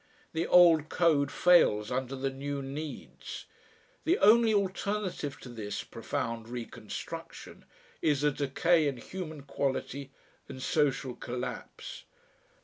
The old code fails under the new needs. The only alternative to this profound reconstruction is a decay in human quality and social collapse.